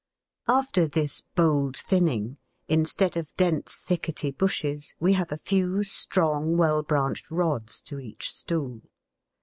After this bold thinning, instead of dense thickety bushes we have a few strong, well branched rods to each stool.